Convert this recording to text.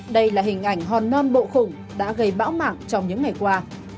đây là hình ảnh hòn non bộ khủng đã gây bão mạng trong những ngày qua